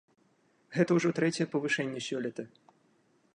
Гэта ўжо трэцяе павышэнне сёлета.